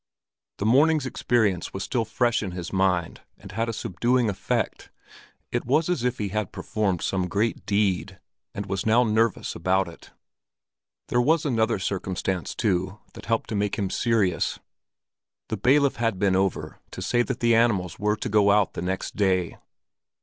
The morning's experience was still fresh in his mind, and had a subduing effect; it was as if he had performed some great deed, and was now nervous about it. There was another circumstance, too, that helped to make him serious. The bailiff had been over to say that the animals were to go out the next day.